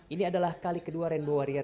ini adalah kali kedua rainbow warrior